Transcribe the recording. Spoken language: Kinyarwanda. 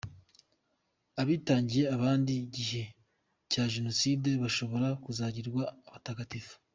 Abitangiye abandi mu gihe cya Jenoside bashobora kuzagirwa Abatagatifu